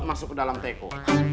masuk ke dalam teko